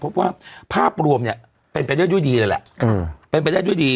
เพราะว่าภาพรวมเนี่ยเป็นไปได้ด้วยดีเลยแหละ